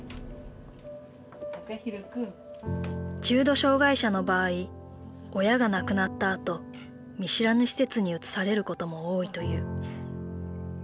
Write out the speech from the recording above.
重度障害者の場合親が亡くなったあと見知らぬ施設に移されることも多いという。